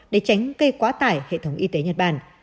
để tránh gây quá tải hệ thống y tế nhật bản